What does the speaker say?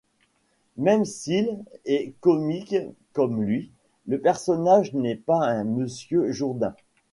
Même s’il et comique comme lui, le personnage n’est pas un Monsieur Jourdain.